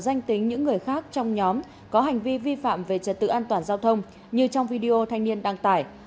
danh tính những người khác trong nhóm có hành vi vi phạm về trật tự an toàn giao thông như trong video thanh niên đăng tải